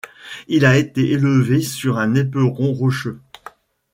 Il a été élevé sur un éperon rocheux.